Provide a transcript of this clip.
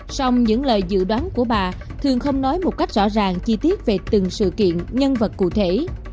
xong những lời dự đoán của bà thường không nói một cách rõ ràng chi tiết về từng sự kiện nhân vật cụ thể